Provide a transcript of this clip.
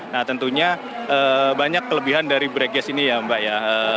nah tentunya banyak kelebihan dari break gas ini ya mbak ya